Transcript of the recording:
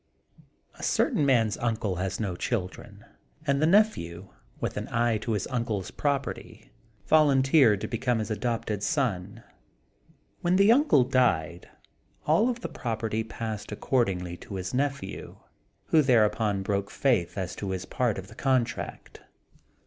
A certain man's uncle had no children, and the nephew, with an eye to his uncle's property, volunteered to become his adopted son. When the uncle died all the property passed accordingly to his nephew, who thereupon broke faith as to his part of the contract.